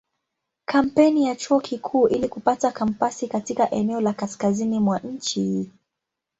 Kampeni ya Chuo Kikuu ili kupata kampasi katika eneo la kaskazini mwa nchi.